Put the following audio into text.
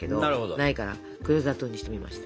ないから黒砂糖にしてみました。